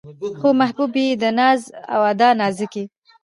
خو محبوبې يې د ناز و ادا او نازکۍ